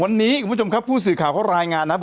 วันนี้คุณผู้ชมครับผู้สื่อข่าวเขารายงานนะ